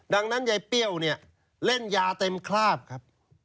ดังนั้นยายเปรี้ยวเนี่ยเล่นยาเต็มคราบครับ